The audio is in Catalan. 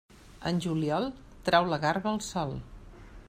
En juliol, trau la garba al sol.